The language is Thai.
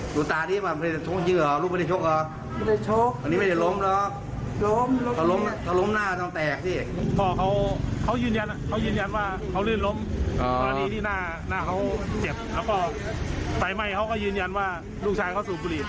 ใช่ไหมเขาก็ยืนยันว่าลูกชายเขาสูงคุรีส